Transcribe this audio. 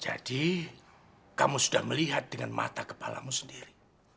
jadi kamu sudah melihat dengan mata kepalamu sendiri